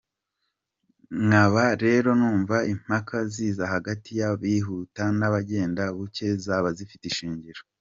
Nkaba rero numva, impaka ziza hagati y’abihuta n’abagenda buke, zaba zifite ishingiro.